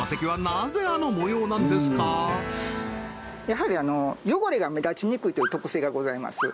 やはり汚れが目立ちにくいという特性がございます